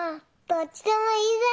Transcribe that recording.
どっちでもいいの？